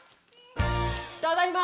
ただいま！